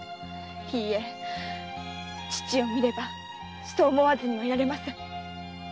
いいえ父を見ればそう思わずにはいられません。